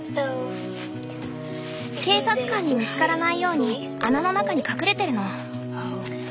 警察官に見つからないように穴の中に隠れてるの。